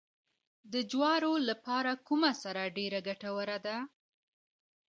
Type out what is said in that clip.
د جوارو لپاره کومه سره ډیره ګټوره ده؟